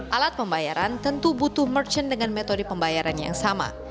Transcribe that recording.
alat pembayaran tentu butuh merchant dengan metode pembayaran yang sama